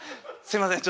すいません。